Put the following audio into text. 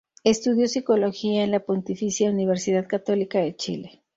Estudió psicología en la Pontificia Universidad Católica de Chile.